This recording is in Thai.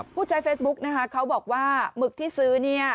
ผู้ใช้เฟซบุ๊กนะคะเขาบอกว่าหมึกที่ซื้อเนี่ย